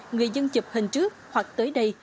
người dân chụp hình trước hoặc tới đây